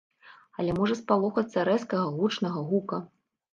Але можа спалохацца рэзкага гучнага гука.